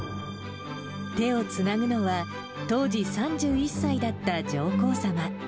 手をつなぐのは、当時３１歳だった上皇さま。